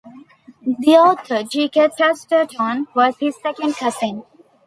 The author G. K. Chesterton was his second cousin.